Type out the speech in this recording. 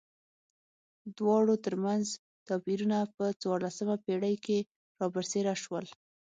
دواړو ترمنځ توپیرونه په څوارلسمه پېړۍ کې را برسېره شول.